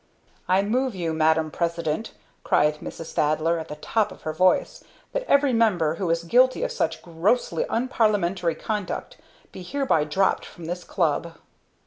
"I move you, Madam President," cried Mrs. Thaddler, at the top of her voice, "that every member who is guilty of such grossly unparlimentary conduct be hereby dropped from this Club!"